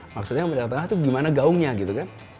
maksudnya yang meledak di tengah tuh gimana gaungnya gitu kan